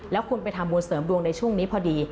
แล้วคุณไปทำบุญเสริมดวงในช่วงนี้พอดี